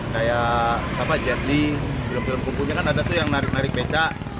kayak jet li film film pungguknya kan ada tuh yang menarik narik becak